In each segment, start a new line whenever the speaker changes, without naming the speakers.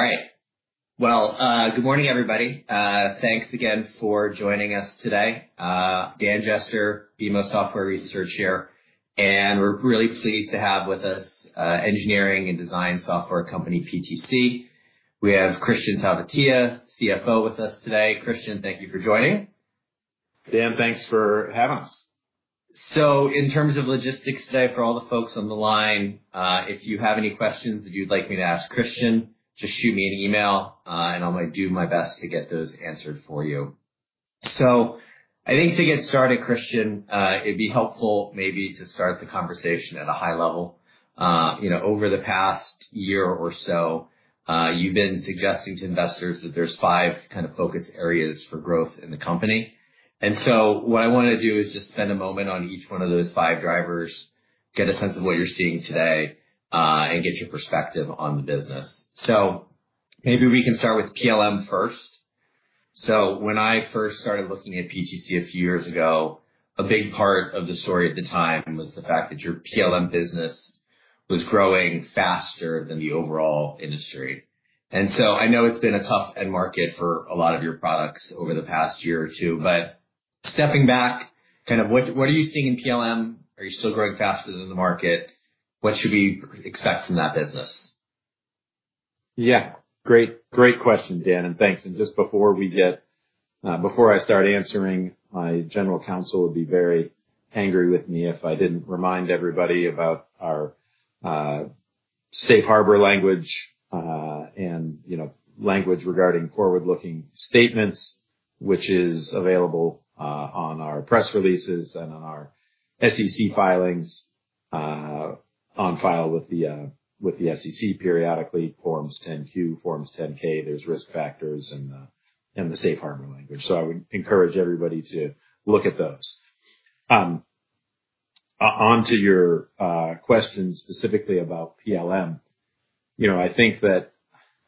All right. Good morning, everybody. Thanks again for joining us today. Dan Jester, BMO Software Research here. We are really pleased to have with us engineering and design software company PTC. We have Kristian Talvitie, CFO, with us today. Kristian, thank you for joining.
Dan, thanks for having us.
In terms of logistics today for all the folks on the line, if you have any questions that you'd like me to ask Kristian, just shoot me an email, and I'll do my best to get those answered for you. I think to get started, Kristian, it'd be helpful maybe to start the conversation at a high level. Over the past year or so, you've been suggesting to investors that there's five kind of focus areas for growth in the company. What I want to do is just spend a moment on each one of those five drivers, get a sense of what you're seeing today, and get your perspective on the business. Maybe we can start with PLM first. When I first started looking at PTC a few years ago, a big part of the story at the time was the fact that your PLM business was growing faster than the overall industry. I know it's been a tough end market for a lot of your products over the past year or two, but stepping back, kind of what are you seeing in PLM? Are you still growing faster than the market? What should we expect from that business?
Yeah. Great. Great question, Dan. Thanks. Just before I start answering, my general counsel would be very angry with me if I did not remind everybody about our safe harbor language and language regarding forward-looking statements, which is available on our press releases and on our SEC filings on file with the SEC periodically, Forms 10-Q, Forms 10-K. There are risk factors and the safe harbor language. I would encourage everybody to look at those. Onto your question specifically about PLM, I think that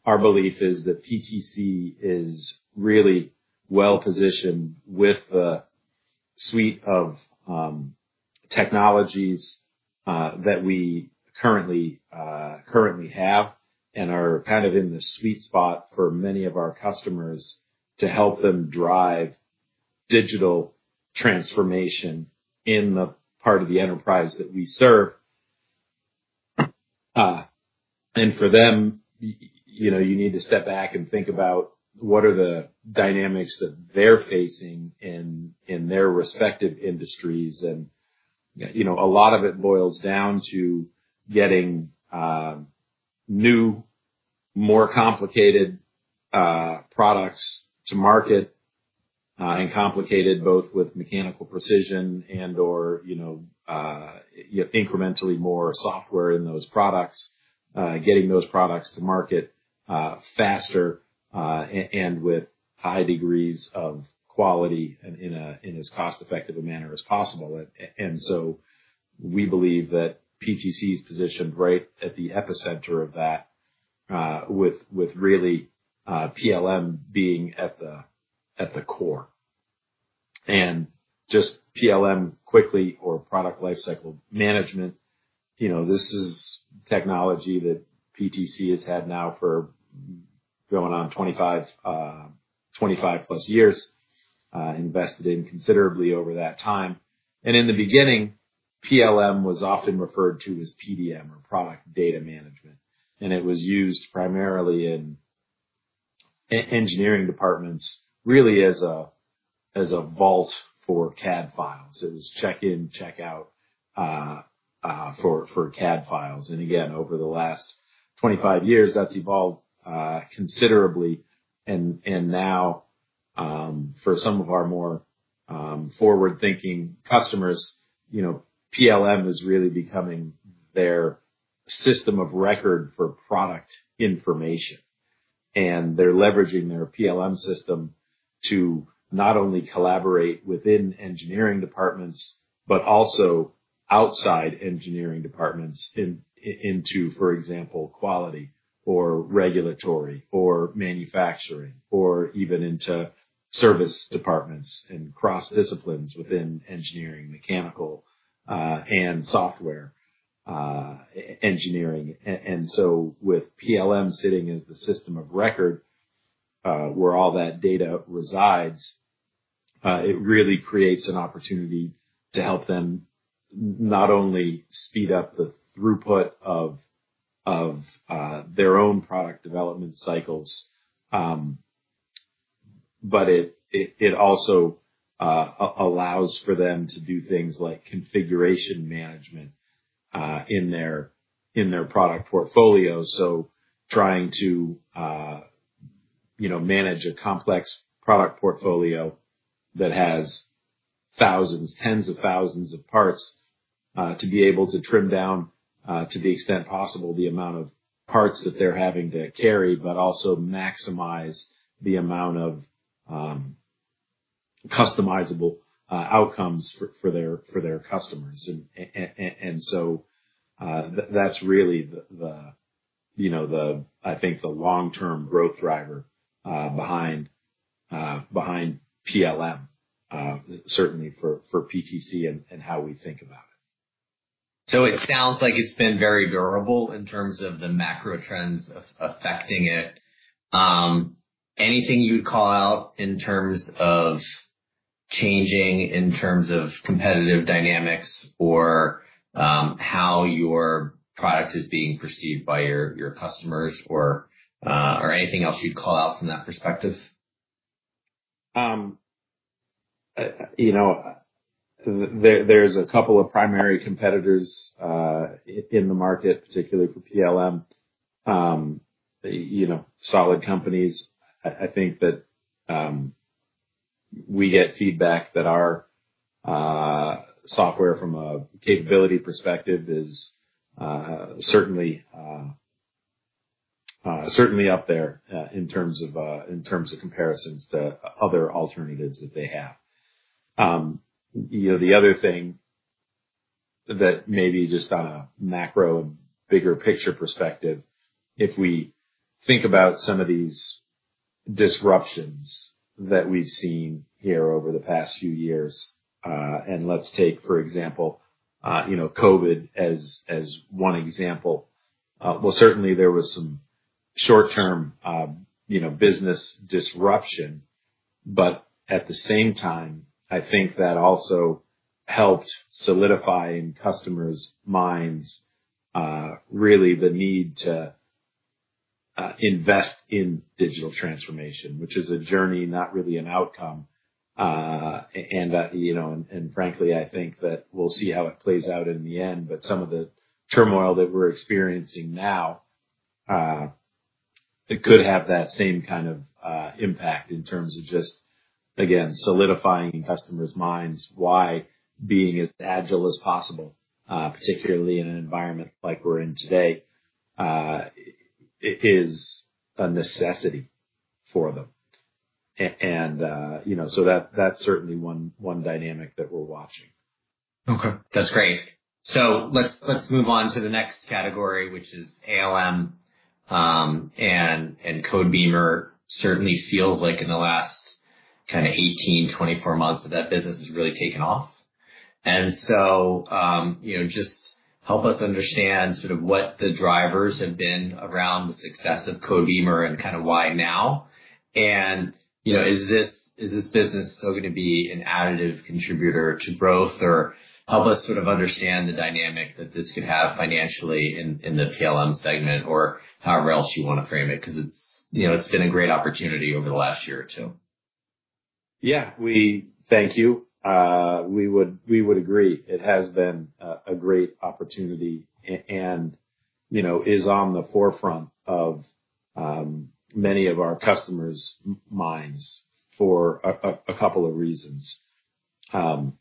our belief is that PTC is really well-positioned with the suite of technologies that we currently have and are kind of in the sweet spot for many of our customers to help them drive digital transformation in the part of the enterprise that we serve. For them, you need to step back and think about what are the dynamics that they're facing in their respective industries. A lot of it boils down to getting new, more complicated products to market and complicated both with mechanical precision and/or incrementally more software in those products, getting those products to market faster and with high degrees of quality in as cost-effective a manner as possible. We believe that PTC is positioned right at the epicenter of that, with really PLM being at the core. Just PLM quickly or product lifecycle management, this is technology that PTC has had now for going on 25+ years, invested in considerably over that time. In the beginning, PLM was often referred to as PDM or product data management. It was used primarily in engineering departments, really as a vault for CAD files. It was check-in, check-out for CAD files. Again, over the last 25 years, that's evolved considerably. Now, for some of our more forward-thinking customers, PLM is really becoming their system of record for product information. They're leveraging their PLM system to not only collaborate within engineering departments, but also outside engineering departments into, for example, quality or regulatory or manufacturing or even into service departments and cross-disciplines within engineering, mechanical, and software engineering. With PLM sitting as the system of record where all that data resides, it really creates an opportunity to help them not only speed up the throughput of their own product development cycles, but it also allows for them to do things like configuration management in their product portfolio. Trying to manage a complex product portfolio that has tens of thousands of parts to be able to trim down, to the extent possible, the amount of parts that they're having to carry, but also maximize the amount of customizable outcomes for their customers. That's really the, I think, the long-term growth driver behind PLM, certainly for PTC and how we think about it.
It sounds like it's been very durable in terms of the macro trends affecting it. Anything you'd call out in terms of changing in terms of competitive dynamics or how your product is being perceived by your customers or anything else you'd call out from that perspective?
are a couple of primary competitors in the market, particularly for PLM, solid companies. I think that we get feedback that our software from a capability perspective is certainly up there in terms of comparisons to other alternatives that they have. The other thing that maybe just on a macro and bigger picture perspective, if we think about some of these disruptions that we've seen here over the past few years, and let's take, for example, COVID as one example. Certainly, there was some short-term business disruption. At the same time, I think that also helped solidify in customers' minds really the need to invest in digital transformation, which is a journey, not really an outcome. Frankly, I think that we'll see how it plays out in the end. Some of the turmoil that we're experiencing now, it could have that same kind of impact in terms of just, again, solidifying in customers' minds why being as agile as possible, particularly in an environment like we're in today, is a necessity for them. That is certainly one dynamic that we're watching.
Okay. That's great. Let's move on to the next category, which is ALM. Codebeamer certainly feels like in the last kind of 18, 24 months that that business has really taken off. Just help us understand sort of what the drivers have been around the success of Codebeamer and kind of why now. Is this business still going to be an additive contributor to growth, or help us sort of understand the dynamic that this could have financially in the PLM segment or however else you want to frame it because it's been a great opportunity over the last year or two.
Yeah. Thank you. We would agree. It has been a great opportunity and is on the forefront of many of our customers' minds for a couple of reasons. One,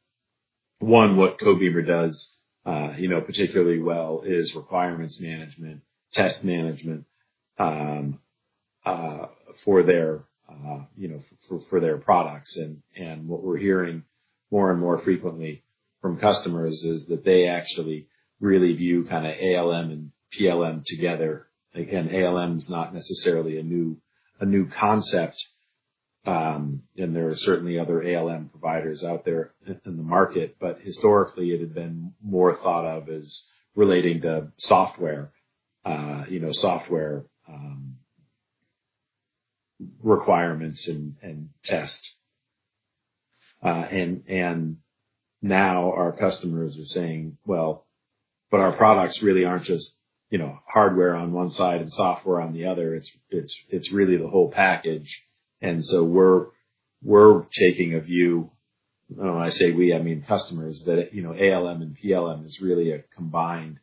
what Codebeamer does particularly well is requirements management, test management for their products. What we're hearing more and more frequently from customers is that they actually really view kind of ALM and PLM together. Again, ALM is not necessarily a new concept. There are certainly other ALM providers out there in the market, but historically, it had been more thought of as relating to software, software requirements, and tests. Now our customers are saying, "Well, but our products really aren't just hardware on one side and software on the other. It's really the whole package. We're taking a view—when I say we, I mean customers—that ALM and PLM is really a combined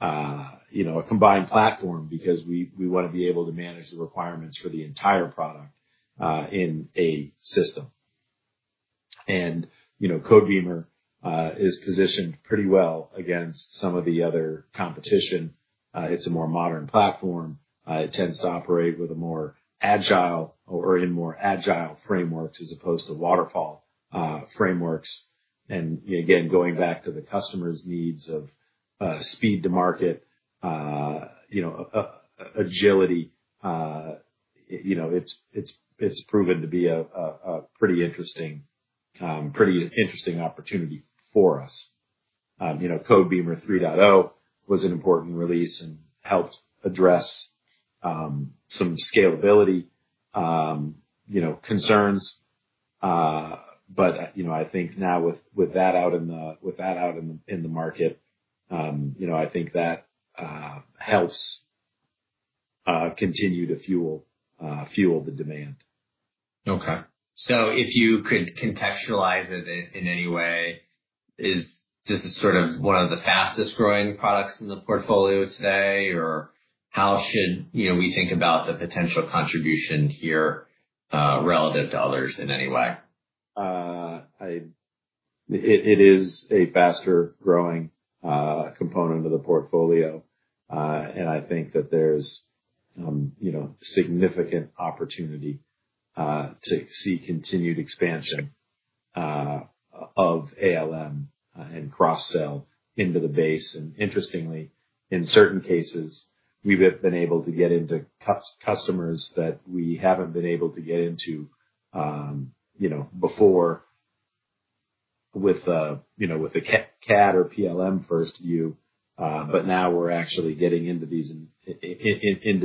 platform because we want to be able to manage the requirements for the entire product in a system. Codebeamer is positioned pretty well against some of the other competition. It's a more modern platform. It tends to operate with a more agile or in more agile frameworks as opposed to waterfall frameworks. Again, going back to the customer's needs of speed to market, agility, it's proven to be a pretty interesting opportunity for us. Codebeamer 3.0 was an important release and helped address some scalability concerns. I think now with that out in the market, I think that helps continue to fuel the demand.
Okay. If you could contextualize it in any way, is this sort of one of the fastest-growing products in the portfolio today, or how should we think about the potential contribution here relative to others in any way?
It is a faster-growing component of the portfolio. I think that there's significant opportunity to see continued expansion of ALM and cross-sell into the base. Interestingly, in certain cases, we've been able to get into customers that we haven't been able to get into before with the CAD or PLM first view. Now we're actually getting into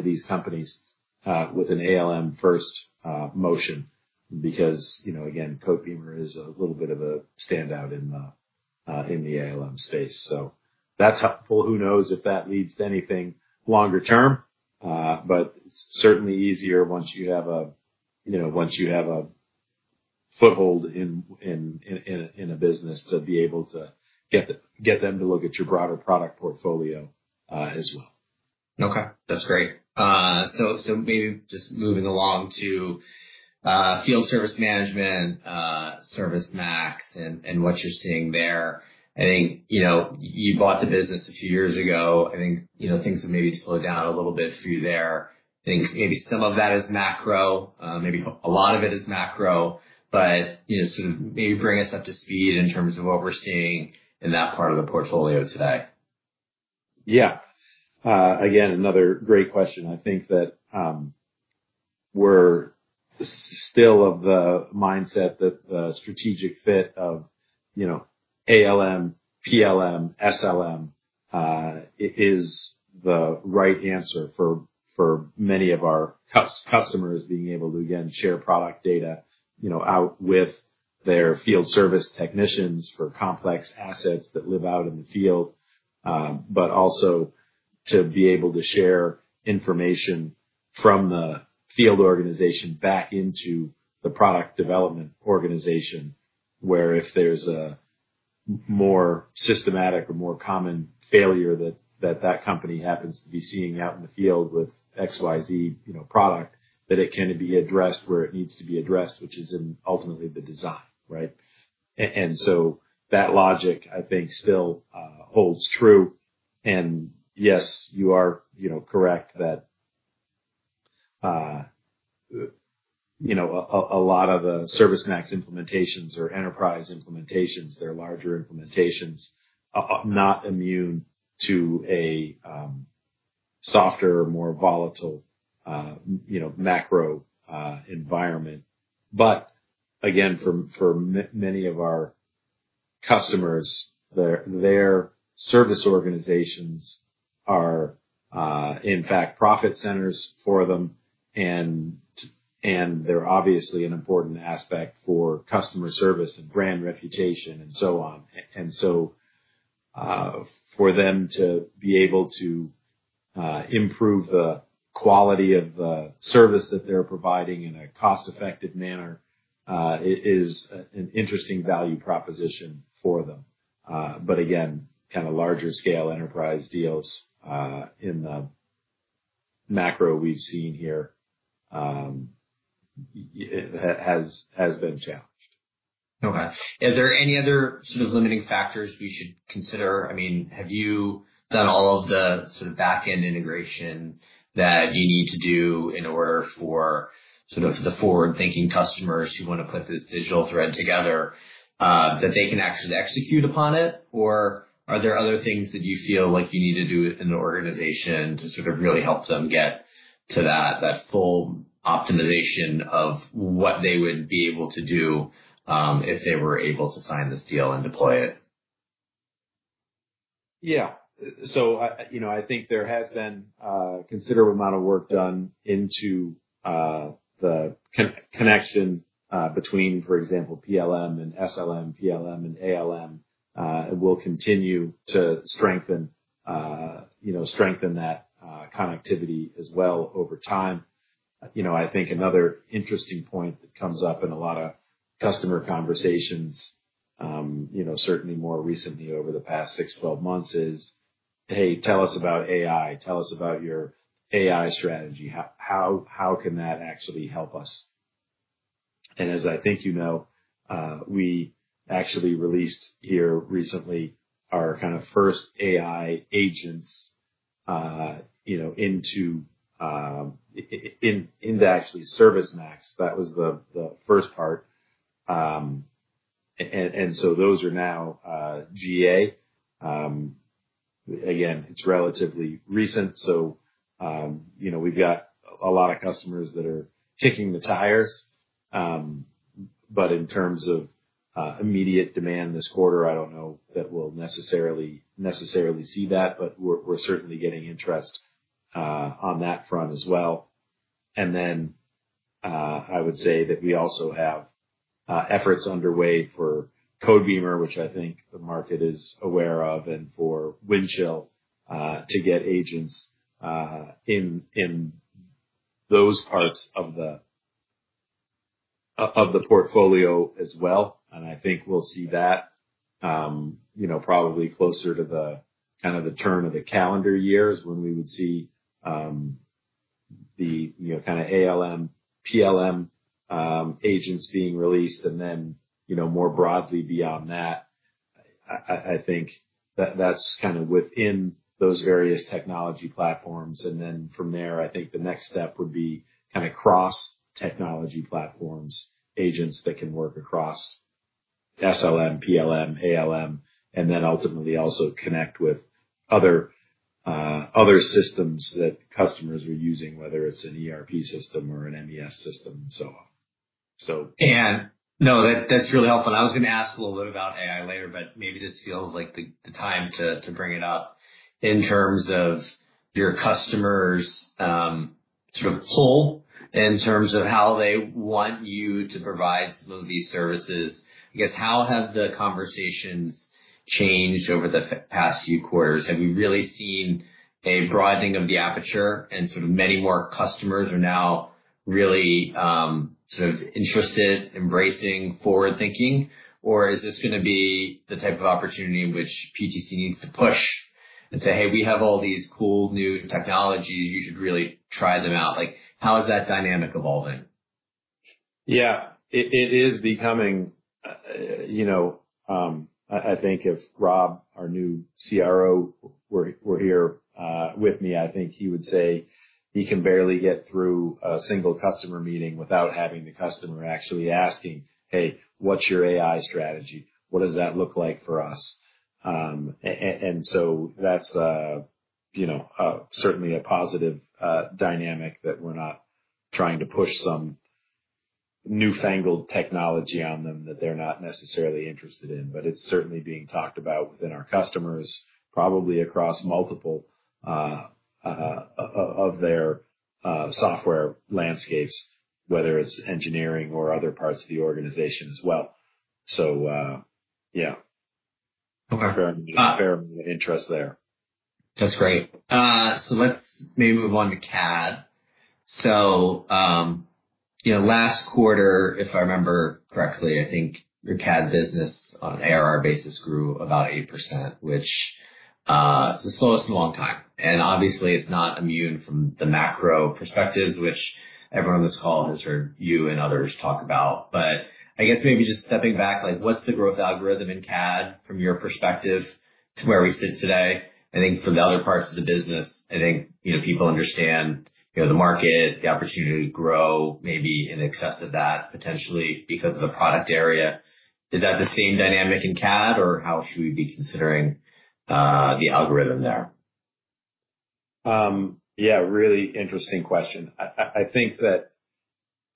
these companies with an ALM first motion because, again, Codebeamer is a little bit of a standout in the ALM space. That's helpful. Who knows if that leads to anything longer term, but it's certainly easier once you have a foothold in a business to be able to get them to look at your broader product portfolio as well.
Okay. That's great. Maybe just moving along to field service management, ServiceMax, and what you're seeing there. I think you bought the business a few years ago. I think things have maybe slowed down a little bit for you there. I think maybe some of that is macro, maybe a lot of it is macro, but sort of maybe bring us up to speed in terms of what we're seeing in that part of the portfolio today.
Yeah. Again, another great question. I think that we're still of the mindset that the strategic fit of ALM, PLM, SLM is the right answer for many of our customers being able to, again, share product data out with their field service technicians for complex assets that live out in the field, but also to be able to share information from the field organization back into the product development organization where if there's a more systematic or more common failure that that company happens to be seeing out in the field with XYZ product, that it can be addressed where it needs to be addressed, which is ultimately the design, right? That logic, I think, still holds true. Yes, you are correct that a lot of the ServiceMax implementations or enterprise implementations, their larger implementations, are not immune to a softer, more volatile macro environment. Again, for many of our customers, their service organizations are, in fact, profit centers for them. They are obviously an important aspect for customer service and brand reputation and so on. For them to be able to improve the quality of the service that they are providing in a cost-effective manner is an interesting value proposition for them. Again, kind of larger scale enterprise deals in the macro we have seen here has been challenged.
Okay. Are there any other sort of limiting factors we should consider? I mean, have you done all of the sort of back-end integration that you need to do in order for sort of the forward-thinking customers who want to put this digital thread together that they can actually execute upon it? Or are there other things that you feel like you need to do in the organization to sort of really help them get to that full optimization of what they would be able to do if they were able to sign this deal and deploy it?
Yeah. I think there has been a considerable amount of work done into the connection between, for example, PLM and SLM, PLM and ALM, and we'll continue to strengthen that connectivity as well over time. I think another interesting point that comes up in a lot of customer conversations, certainly more recently over the past six, 12 months, is, "Hey, tell us about AI. Tell us about your AI strategy. How can that actually help us?" As I think you know, we actually released here recently our kind of first AI agents into actually ServiceMax. That was the first part. Those are now GA. Again, it's relatively recent. We've got a lot of customers that are kicking the tires. In terms of immediate demand this quarter, I don't know that we'll necessarily see that, but we're certainly getting interest on that front as well. I would say that we also have efforts underway for Codebeamer, which I think the market is aware of, and for Windchill to get agents in those parts of the portfolio as well. I think we'll see that probably closer to the turn of the calendar year is when we would see the ALM, PLM agents being released. More broadly beyond that, I think that's within those various technology platforms. From there, I think the next step would be cross-technology platforms, agents that can work across SLM, PLM, ALM, and ultimately also connect with other systems that customers are using, whether it's an ERP system or an MES system and so on.
No, that's really helpful. I was going to ask a little bit about AI later, but maybe this feels like the time to bring it up in terms of your customers' sort of pull in terms of how they want you to provide some of these services. I guess, how have the conversations changed over the past few quarters? Have we really seen a broadening of the aperture and sort of many more customers are now really sort of interested, embracing, forward-thinking? Or is this going to be the type of opportunity in which PTC needs to push and say, "Hey, we have all these cool new technologies. You should really try them out"? How is that dynamic evolving?
Yeah. It is becoming, I think if Rob, our new CRO, were here with me, I think he would say he can barely get through a single customer meeting without having the customer actually asking, "Hey, what's your AI strategy? What does that look like for us?" That is certainly a positive dynamic that we're not trying to push some newfangled technology on them that they're not necessarily interested in. It is certainly being talked about within our customers, probably across multiple of their software landscapes, whether it's engineering or other parts of the organization as well. Yeah, fair amount of interest there.
That's great. Let's maybe move on to CAD. Last quarter, if I remember correctly, I think your CAD business on an ARR basis grew about 8%, which is the slowest in a long time. Obviously, it's not immune from the macro perspectives, which everyone on this call has heard you and others talk about. I guess maybe just stepping back, what's the growth algorithm in CAD from your perspective to where we sit today? I think for the other parts of the business, I think people understand the market, the opportunity to grow maybe in excess of that potentially because of the product area. Is that the same dynamic in CAD, or how should we be considering the algorithm there?
Yeah, really interesting question. I think that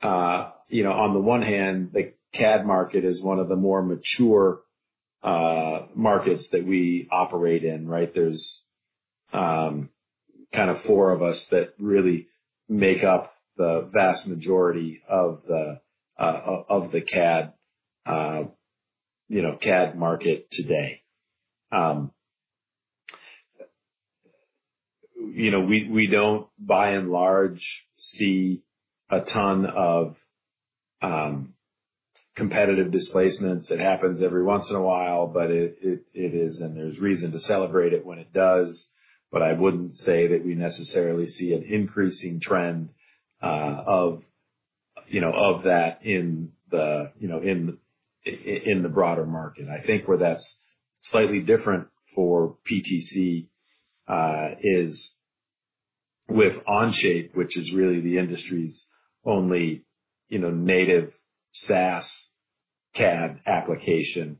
on the one hand, the CAD market is one of the more mature markets that we operate in, right? There are kind of four of us that really make up the vast majority of the CAD market today. We do not, by and large, see a ton of competitive displacements. It happens every once in a while, and there is reason to celebrate it when it does. I would not say that we necessarily see an increasing trend of that in the broader market. I think where that is slightly different for PTC is with Onshape, which is really the industry's only native SaaS CAD application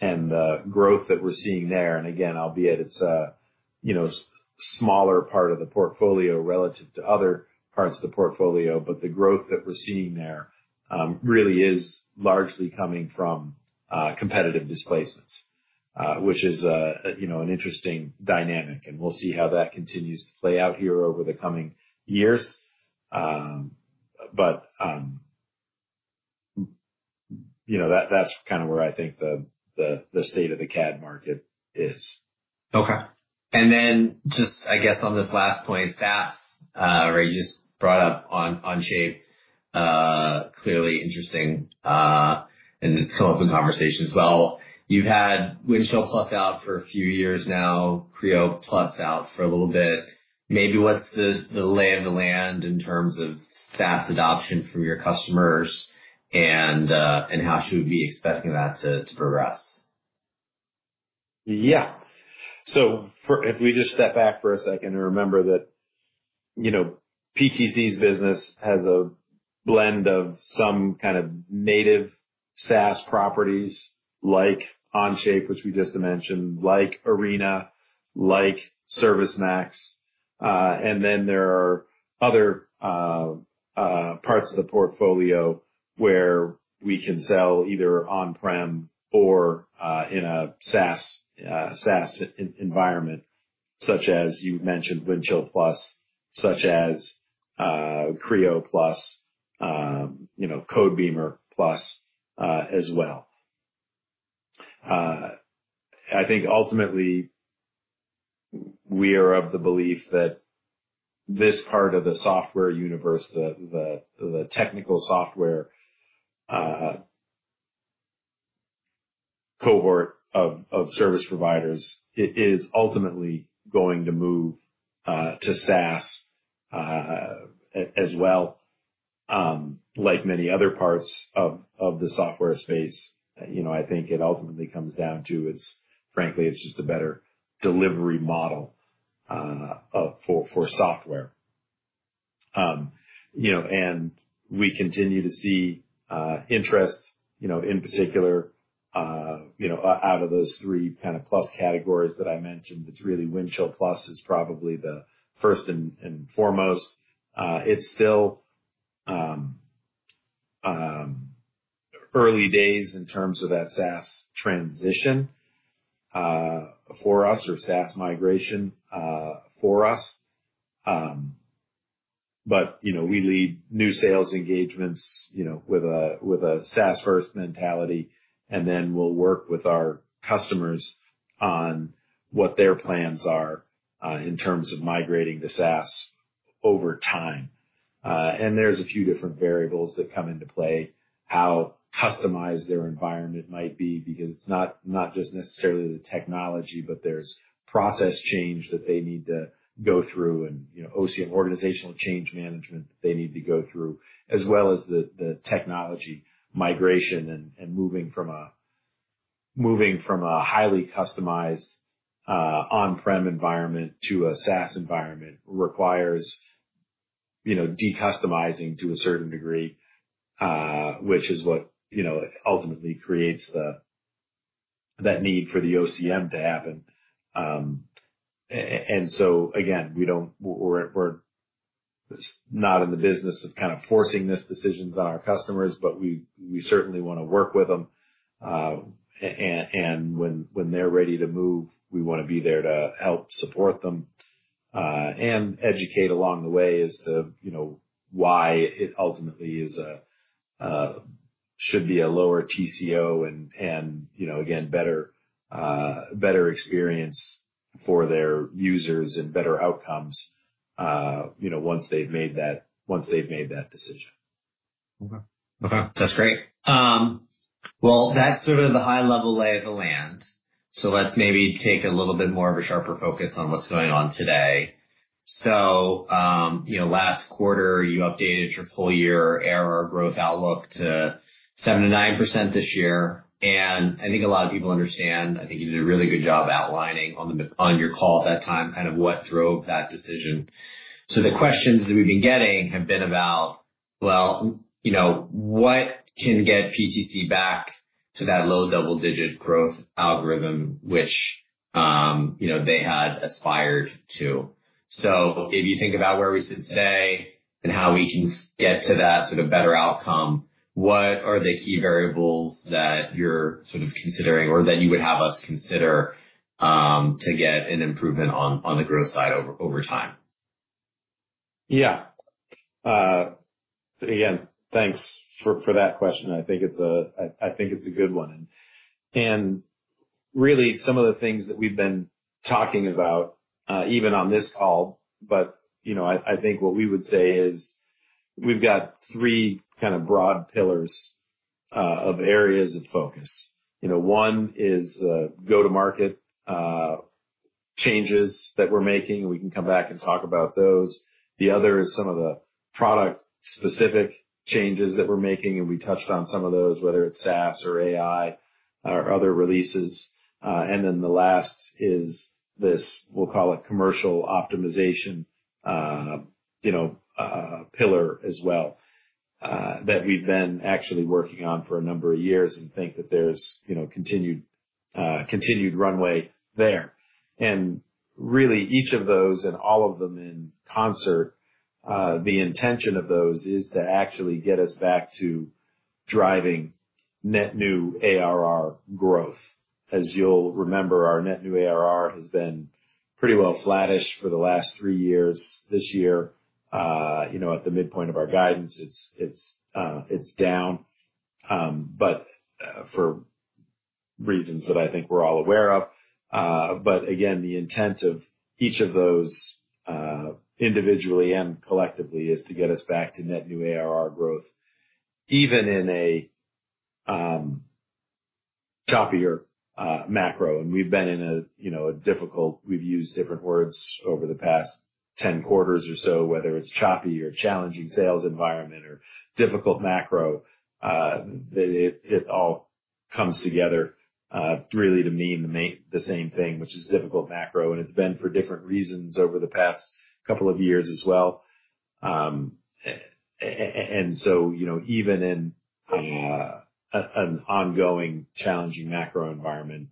and the growth that we are seeing there. Again, albeit it's a smaller part of the portfolio relative to other parts of the portfolio, the growth that we're seeing there really is largely coming from competitive displacements, which is an interesting dynamic. We'll see how that continues to play out here over the coming years. That's kind of where I think the state of the CAD market is.
Okay. And then just, I guess, on this last point, SaaS, right? You just brought up Onshape, clearly interesting in some open conversation as well. You've had Windchill+ out for a few years now, Creo+ out for a little bit. Maybe what's the lay of the land in terms of SaaS adoption from your customers and how should we be expecting that to progress?
Yeah. If we just step back for a second and remember that PTC's business has a blend of some kind of native SaaS properties like Onshape, which we just mentioned, like Arena, like ServiceMax. Then there are other parts of the portfolio where we can sell either on-prem or in a SaaS environment, such as you mentioned Windchill+, such as Creo+, Codebeamer+ as well. I think ultimately we are of the belief that this part of the software universe, the technical software cohort of service providers, is ultimately going to move to SaaS as well. Like many other parts of the software space, I think it ultimately comes down to, frankly, it's just a better delivery model for software. We continue to see interest, in particular, out of those three kind of plus categories that I mentioned. It's really Windchill+ is probably the first and foremost. It's still early days in terms of that SaaS transition for us or SaaS migration for us. We lead new sales engagements with a SaaS-first mentality, and then we'll work with our customers on what their plans are in terms of migrating to SaaS over time. There's a few different variables that come into play, how customized their environment might be, because it's not just necessarily the technology, but there's process change that they need to go through and OCM, organizational change management, that they need to go through, as well as the technology migration and moving from a highly customized on-prem environment to a SaaS environment requires decustomizing to a certain degree, which is what ultimately creates that need for the OCM to happen. We are not in the business of kind of forcing these decisions on our customers, but we certainly want to work with them. When they are ready to move, we want to be there to help support them and educate along the way as to why it ultimately should be a lower TCO and, again, better experience for their users and better outcomes once they have made that decision.
Okay. Okay. That's great. That's sort of the high-level lay of the land. Let's maybe take a little bit more of a sharper focus on what's going on today. Last quarter, you updated your full-year ARR growth outlook to 7-9% this year. I think a lot of people understand. I think you did a really good job outlining on your call at that time kind of what drove that decision. The questions that we've been getting have been about, what can get PTC back to that low double-digit growth algorithm, which they had aspired to? If you think about where we sit today and how we can get to that sort of better outcome, what are the key variables that you're sort of considering or that you would have us consider to get an improvement on the growth side over time?
Yeah. Again, thanks for that question. I think it's a good one. Really, some of the things that we've been talking about, even on this call, I think what we would say is we've got three kind of broad pillars of areas of focus. One is the go-to-market changes that we're making, and we can come back and talk about those. The other is some of the product-specific changes that we're making, and we touched on some of those, whether it's SaaS or AI or other releases. The last is this, we'll call it commercial optimization pillar as well that we've been actually working on for a number of years and think that there's continued runway there. Really, each of those and all of them in concert, the intention of those is to actually get us back to driving net new ARR growth. As you'll remember, our net new ARR has been pretty well flattish for the last three years. This year, at the midpoint of our guidance, it's down, for reasons that I think we're all aware of. Again, the intent of each of those individually and collectively is to get us back to net new ARR growth, even in a choppier macro. We've been in a difficult—we've used different words over the past 10 quarters or so, whether it's choppy or challenging sales environment or difficult macro, that it all comes together really to mean the same thing, which is difficult macro. It's been for different reasons over the past couple of years as well. Even in an ongoing challenging macro environment,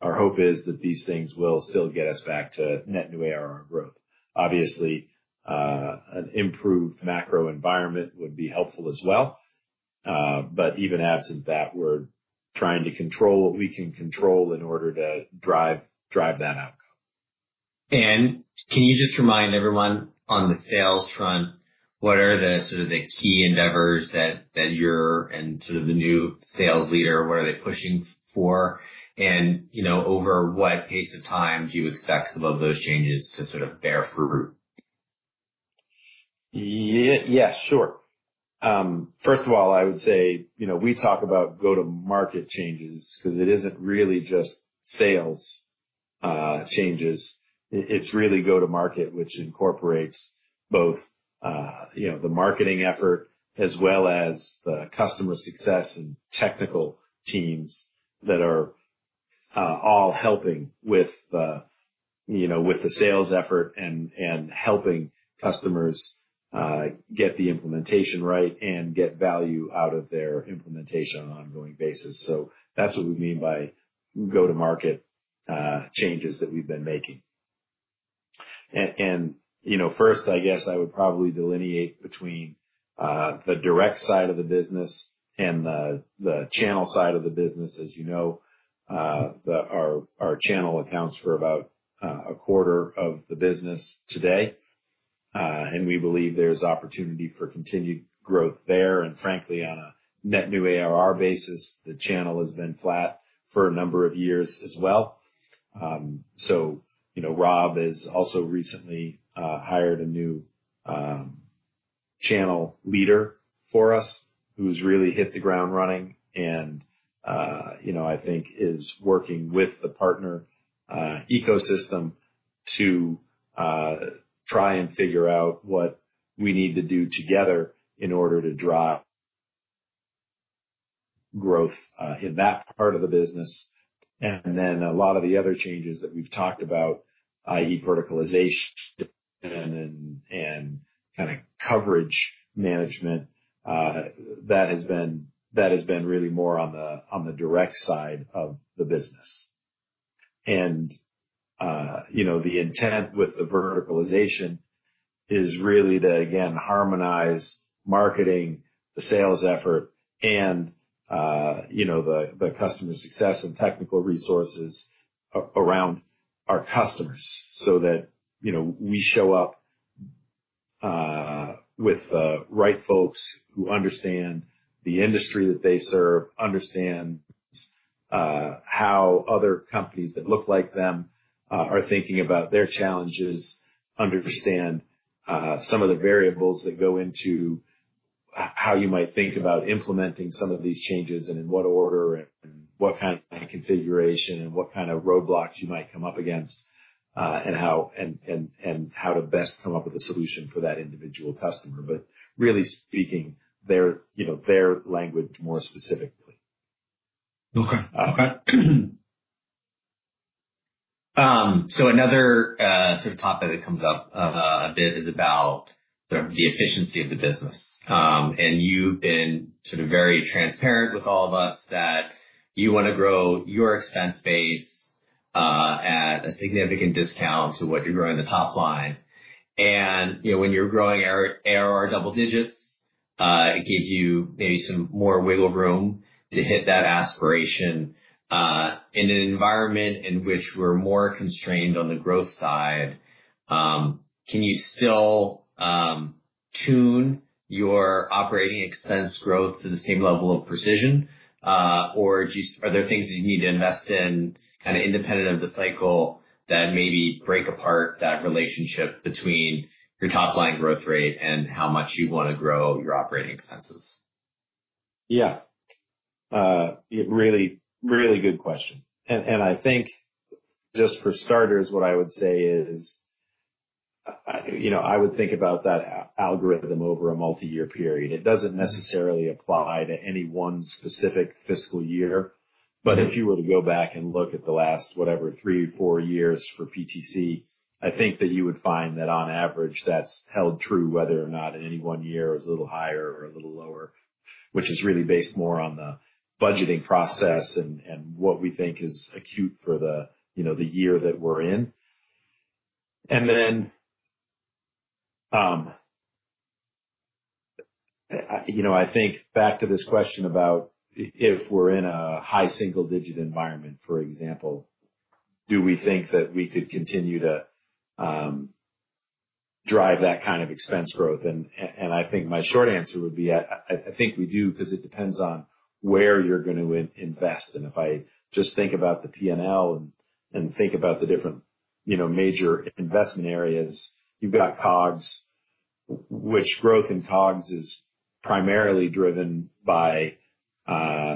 our hope is that these things will still get us back to net new ARR growth. Obviously, an improved macro environment would be helpful as well. Even absent that, we're trying to control what we can control in order to drive that outcome.
Can you just remind everyone on the sales front, what are the sort of key endeavors that you and sort of the new sales leader, what are they pushing for? Over what periods of time do you expect some of those changes to sort of bear fruit?
Yes, sure. First of all, I would say we talk about go-to-market changes because it is not really just sales changes. It is really go-to-market, which incorporates both the marketing effort as well as the customer success and technical teams that are all helping with the sales effort and helping customers get the implementation right and get value out of their implementation on an ongoing basis. That is what we mean by go-to-market changes that we have been making. First, I guess I would probably delineate between the direct side of the business and the channel side of the business. As you know, our channel accounts for about a quarter of the business today. We believe there is opportunity for continued growth there. Frankly, on a net new ARR basis, the channel has been flat for a number of years as well. Rob has also recently hired a new channel leader for us who has really hit the ground running and I think is working with the partner ecosystem to try and figure out what we need to do together in order to drive growth in that part of the business. A lot of the other changes that we've talked about, i.e., verticalization and kind of coverage management, that has been really more on the direct side of the business. The intent with the verticalization is really to, again, harmonize marketing, the sales effort, and the customer success and technical resources around our customers so that we show up with the right folks who understand the industry that they serve, understand how other companies that look like them are thinking about their challenges, understand some of the variables that go into how you might think about implementing some of these changes and in what order and what kind of configuration and what kind of roadblocks you might come up against and how to best come up with a solution for that individual customer. Really speaking, their language more specifically.
Okay. Okay. Another sort of topic that comes up a bit is about the efficiency of the business. You have been sort of very transparent with all of us that you want to grow your expense base at a significant discount to what you are growing the top line. When you are growing ARR double digits, it gives you maybe some more wiggle room to hit that aspiration. In an environment in which we are more constrained on the growth side, can you still tune your operating expense growth to the same level of precision, or are there things that you need to invest in kind of independent of the cycle that maybe break apart that relationship between your top-line growth rate and how much you want to grow your operating expenses?
Yeah. Really, really good question. I think just for starters, what I would say is I would think about that algorithm over a multi-year period. It does not necessarily apply to any one specific fiscal year. If you were to go back and look at the last, whatever, three, four years for PTC, I think that you would find that on average, that has held true whether or not in any one year it was a little higher or a little lower, which is really based more on the budgeting process and what we think is acute for the year that we are in. I think back to this question about if we are in a high single-digit environment, for example, do we think that we could continue to drive that kind of expense growth? I think my short answer would be I think we do because it depends on where you're going to invest. If I just think about the P&L and think about the different major investment areas, you've got COGS, which growth in COGS is primarily driven by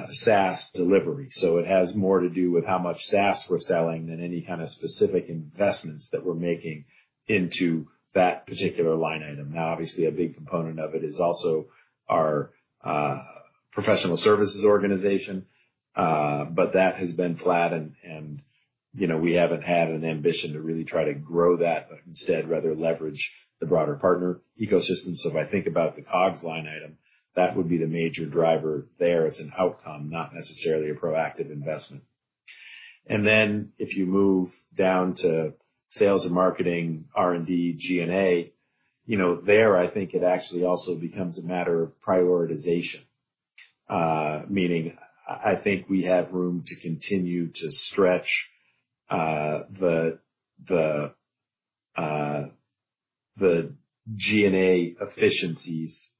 SaaS delivery. It has more to do with how much SaaS we're selling than any kind of specific investments that we're making into that particular line item. Obviously, a big component of it is also our professional services organization, but that has been flat, and we haven't had an ambition to really try to grow that, but instead rather leverage the broader partner ecosystem. If I think about the COGS line item, that would be the major driver there. It's an outcome, not necessarily a proactive investment. If you move down to sales and marketing, R&D, G&A, there, I think it actually also becomes a matter of prioritization, meaning I think we have room to continue to stretch the G&A efficiencies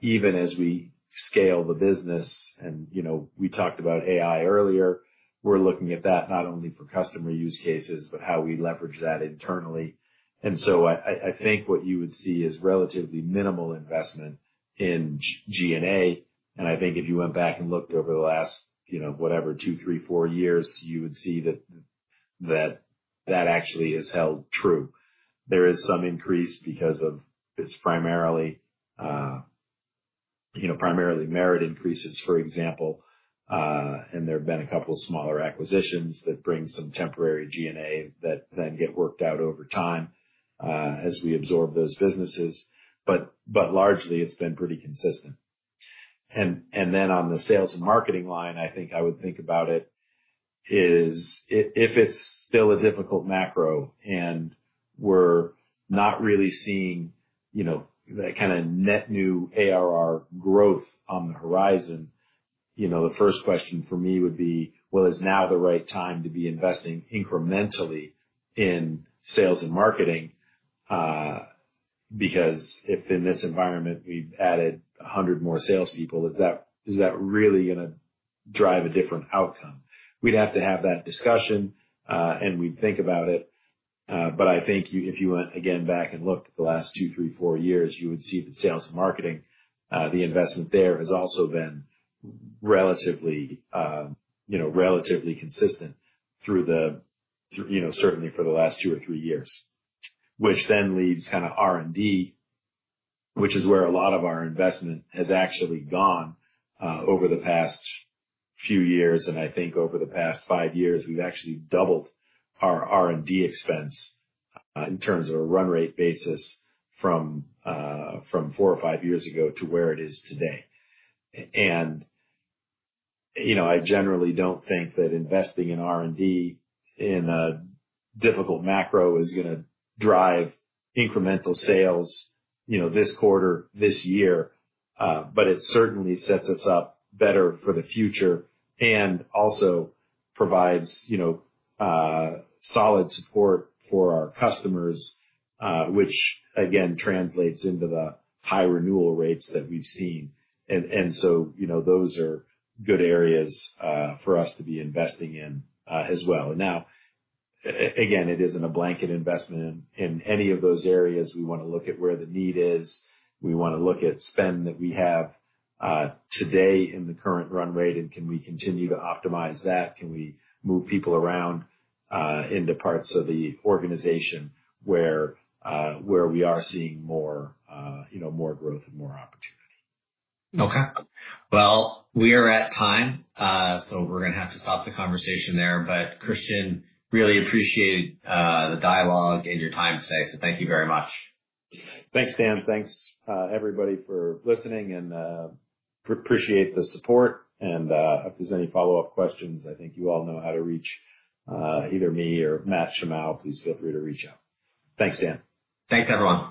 even as we scale the business. I think we talked about AI earlier. We're looking at that not only for customer use cases, but how we leverage that internally. I think what you would see is relatively minimal investment in G&A. I think if you went back and looked over the last, whatever, two, three, four years, you would see that that actually has held true. There is some increase because of it's primarily merit increases, for example. There have been a couple of smaller acquisitions that bring some temporary G&A that then get worked out over time as we absorb those businesses. Largely, it's been pretty consistent. On the sales and marketing line, I think I would think about it is if it's still a difficult macro and we're not really seeing that kind of net new ARR growth on the horizon, the first question for me would be, is now the right time to be investing incrementally in sales and marketing? Because if in this environment we've added 100 more salespeople, is that really going to drive a different outcome? We'd have to have that discussion, and we'd think about it. I think if you went again back and looked at the last two, three, four years, you would see that sales and marketing, the investment there has also been relatively consistent through the certainly for the last two or three years, which then leads kind of R&D, which is where a lot of our investment has actually gone over the past few years. I think over the past five years, we've actually doubled our R&D expense in terms of a run rate basis from four or five years ago to where it is today. I generally don't think that investing in R&D in a difficult macro is going to drive incremental sales this quarter, this year. It certainly sets us up better for the future and also provides solid support for our customers, which again translates into the high renewal rates that we've seen. Those are good areas for us to be investing in as well. Now, again, it isn't a blanket investment in any of those areas. We want to look at where the need is. We want to look at spend that we have today in the current run rate, and can we continue to optimize that? Can we move people around into parts of the organization where we are seeing more growth and more opportunity?
Okay. We are at time, so we're going to have to stop the conversation there. Kristian, really appreciated the dialogue and your time today. Thank you very much.
Thanks, Dan. Thanks, everybody, for listening, and appreciate the support. If there's any follow-up questions, I think you all know how to reach either me or Matt Shimao. Please feel free to reach out. Thanks, Dan.
Thanks, everyone.